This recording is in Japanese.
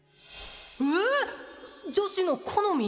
え女子の好み？